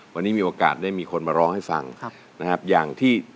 วันนี้มีโอกาสได้มีคนมาร้องให้ฟังนะครับอย่างที่